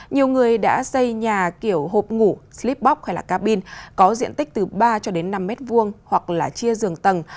nhiều người đã xây nhà kiểu hộp ngủ có diện tích từ ba năm m hai hoặc chia dường tầng